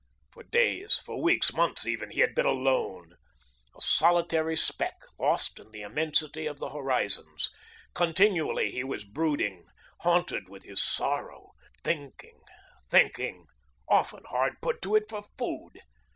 For days, for weeks, months even, he had been alone, a solitary speck lost in the immensity of the horizons; continually he was brooding, haunted with his sorrow, thinking, thinking, often hard put to it for food.